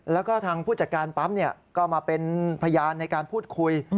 แล้วก็ทางผู้จัดการปั๊มก็มาเป็นพยานในการพูดคุย